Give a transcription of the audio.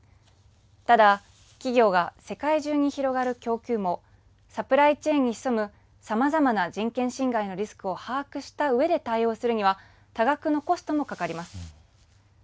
ただ、企業が世界中に広がる供給網サプライチェーンに潜むさまざまな人権侵害のリスクを把握したうえで対応するには多額のコストもかかります。